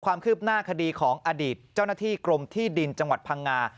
ความคืบหน้าคดีของอดีตเจ้าหน้าที่กรมที่ดินจังหวัดพังงา